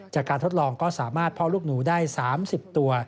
ทดลองก็สามารถพ่อลูกหนูได้๓๐ตัว